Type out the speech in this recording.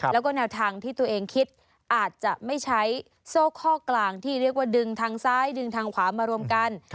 แล้วก็แนวทางที่ตัวเองคิดอาจจะไม่ใช้โซ่ข้อกลางที่เรียกว่าดึงทางซ้ายดึงทางขวามารวมกัน